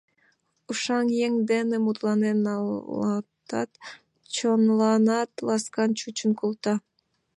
— Ушан еҥ дене мутланен налатат, чонланат ласкан чучын колта.